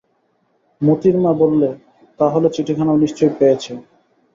মোতির মা বললে, তা হলে চিঠিখানাও নিশ্চয় পেয়েছ।